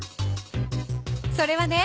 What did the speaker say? それはね